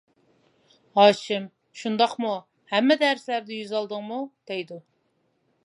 ھاشىم:-شۇنداقمۇ، ھەممە دەرسلەردە يۈز ئالدىڭمۇ، دەيدۇ.